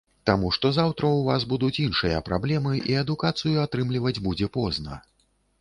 Таму што заўтра ў вас будуць іншыя праблемы, і адукацыю атрымліваць будзе позна.